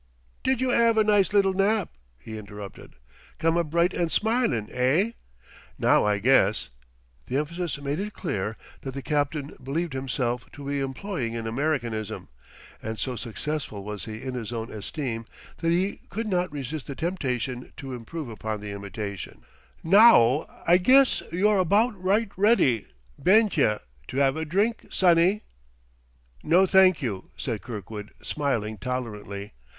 "Did you 'ave a nice little nap?" he interrupted. "Come up bright and smilin', eigh? Now I guess" the emphasis made it clear that the captain believed himself to be employing an Americanism; and so successful was he in his own esteem that he could not resist the temptation to improve upon the imitation "Na ow I guess yeou're abaout right ready, ben't ye, to hev a drink, sonny?" "No, thank you," said Kirkwood, smiling tolerantly.